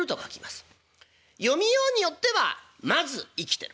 読みようによっては「先ず生きてる」